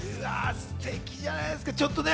ステキじゃないですか。